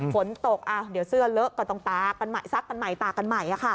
ฝนตกเดี๋ยวเสื้อก่อนต้องซักกันใหม่